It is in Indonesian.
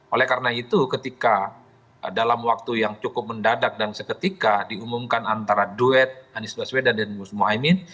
oleh karena itu ketika dalam waktu yang cukup mendadak dan seketika diumumkan antara duet anies baswedan dan gus mohaimin